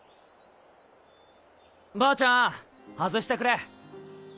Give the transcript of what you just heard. ばーちゃん外してくれ。